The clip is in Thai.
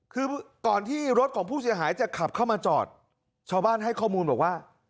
คือก่อนที่รถของผู้เสียหายจะขับเข้ามาจอดชาวบ้านให้ข้อมูลบอกว่า